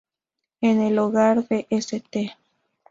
Es el hogar de St.